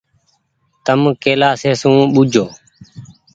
تم ڪيلآشي سون ٻوجو ۔